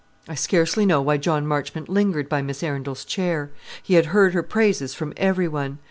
I scarcely know why John Marchmont lingered by Miss Arundel's chair. He had heard her praises from every one.